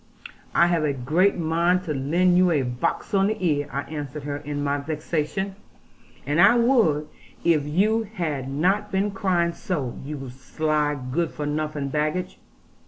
'I have a great mind to lend you a box on the ear,' I answered her in my vexation, 'and I would, if you had not been crying so, you sly good for nothing baggage.